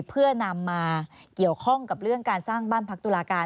เพื่อนำมาเกี่ยวข้องกับเรื่องการสร้างบ้านพักตุลาการ